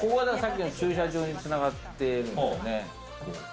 ここがだからさっきの駐車場に繋がってるんですよね。